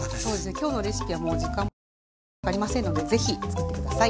今日のレシピはもう時間もね手間もかかりませんので是非つくって下さい。